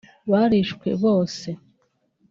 barishwe bose